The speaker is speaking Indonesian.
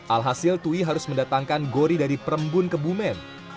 alhasil tui harus mendatangkan gori dari perembun kebumen